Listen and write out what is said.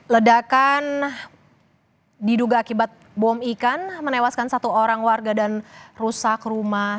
ledakan diduga akibat bom ikan menewaskan satu orang warga dan rusak rumah